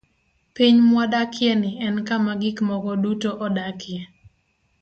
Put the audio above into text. Piny mwadakieni en kama gik moko duto odakie.